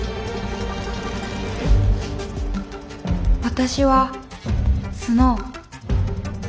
私はスノウ。